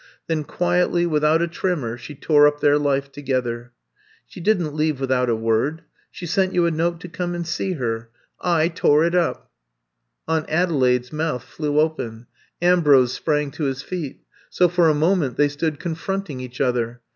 Then quietly, without a tremor, she tore up their life together. *^She did n't leave without a word. She sent you a note to come and see her. / tore itupr' 180 I'VE COME TO STAT Aunt Adelaide's month flew open. Am brose sprang to his feet. So for a moment they stood confronting each other.